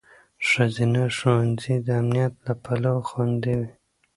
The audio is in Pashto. ښځینه ښوونځي د امنیت له پلوه خوندي وي.